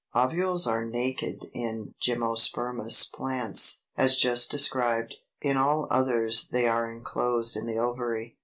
] 318. Ovules are naked in gymnospermous plants (as just described), in all others they are enclosed in the ovary.